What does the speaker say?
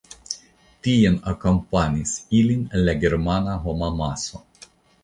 Tien akompanis ilin la germana homamaso.